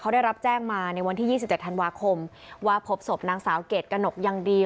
เขาได้รับแจ้งมาในวันที่ยี่สิบเจ็ดธันวาคมว่าพบศพนางสาวเกร็ดกะหนกยังดี